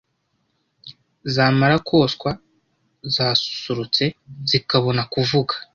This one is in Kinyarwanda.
zamara koswa zasusurutse zikabona kuvuga